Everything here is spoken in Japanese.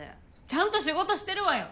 ちゃんと仕事してるわよ。